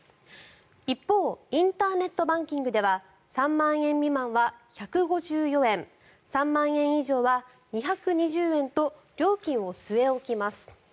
一方インターネットバンキングでは３万円未満は１５４円３万円以上は２２０円と料金を据え置きます。